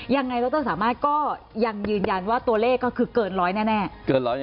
ยังไงท่านสามารถก็ยังยืนยันว่าตัวเลขก็คือเกิน๑๐๐แน่